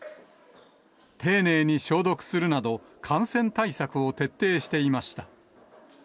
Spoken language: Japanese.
丁寧に消毒するなど、感染対策を徹底していました。